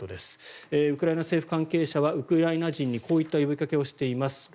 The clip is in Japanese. ウクライナ政府関係者はウクライナ人にこういった呼びかけをしています。